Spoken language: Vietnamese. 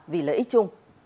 vì lợi ích chung